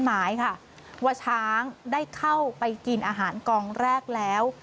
หมายค่ะว่าช้างได้เข้าไปกินอาหารกองแรกแล้ว